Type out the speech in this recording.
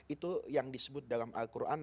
itu yang disebut dalam al quran